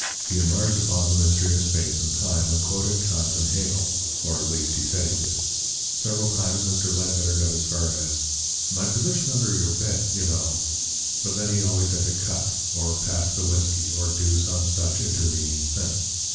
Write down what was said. He enlarged upon the mystery of space and time, and quoted Kant and Hegel or, at least, he said he did. Several times Mr. Ledbetter got as far as: "My position under your bed, you know ," but then he always had to cut, or pass the whisky, or do some such intervening thing.